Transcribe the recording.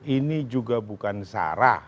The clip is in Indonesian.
ini juga bukan sarah